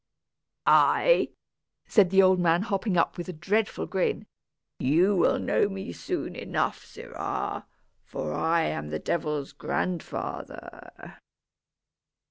"I?" said the old man, hopping up with a dreadful grin, "you will know me soon enough, sirrah, for I am the devil's grandfather."